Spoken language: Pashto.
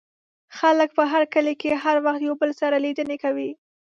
خلک په کلي کې هر وخت یو بل سره لیدنې کوي.